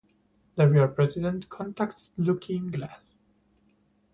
The real President contacts Looking Glass.